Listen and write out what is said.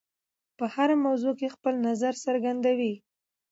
په هره موضوع کې خپل نظر څرګندوي.